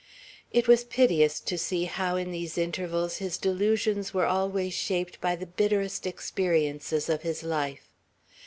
It was piteous to see how in these intervals his delusions were always shaped by the bitterest experiences of his life.